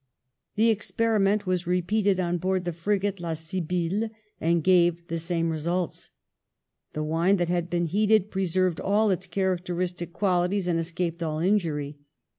The experiment was repeated on board the frigate La Sibylle, and gave the same results. The wine that had been heated preserved all its characteristic qualities and escaped all injury.